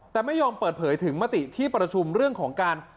แต่ไม่ยอมเปิดเผยถึงมติที่ประชุมเรื่องของการ